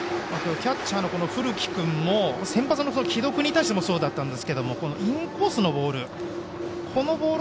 キャッチャーの古木君も先発の城戸君に対してもそうだったんですけれどもインコースのボール。